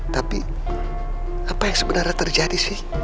tapi apa yang sebenarnya terjadi sih